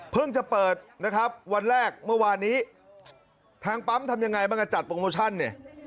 จะเปิดนะครับวันแรกเมื่อวานนี้ทางปั๊มทำยังไงบ้างก็จัดโปรโมชั่นเนี่ย